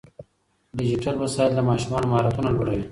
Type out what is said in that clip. ډیجیټل وسایل د ماشومانو مهارتونه لوړوي.